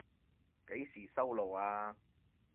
幾時收爐啊？